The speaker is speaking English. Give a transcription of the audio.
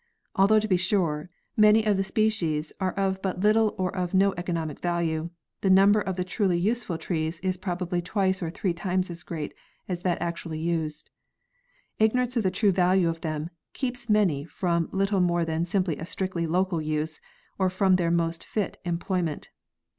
Although, to be sure, many of the species are of but little or of no economic value, the number of the truly useful trees is prob ably twice or three times as great as that actually used. Igno rance as to the true value of them keeps many from little more than simply a strictly local use or from their most fit employ ment.